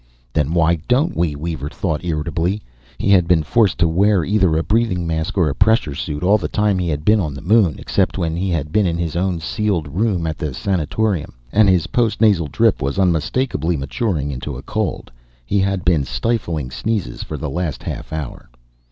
Then why don't we? Weaver thought irritably. He had been forced to wear either a breathing mask or a pressure suit all the time he had been on the Moon, except when he had been in his own sealed room at the sanatorium. And his post nasal drip was unmistakably maturing into a cold; he had been stifling sneezes for the last half hour.